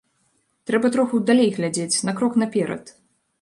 Трэба троху далей глядзець, на крок наперад.